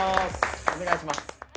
お願いします。